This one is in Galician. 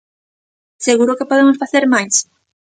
¿Seguro que podemos facer máis?